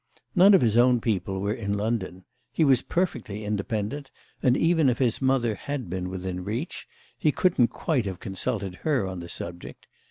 None of his own people were in London; he was perfectly independent, and even if his mother had been within reach he couldn't quite have consulted her on the subject.